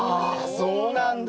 ああそうなんだ！